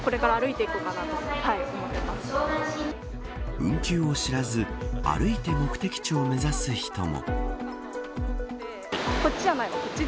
運休を知らず歩いて目的地を目指す人も。